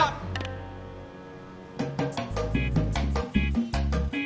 pernah latih ke kers vase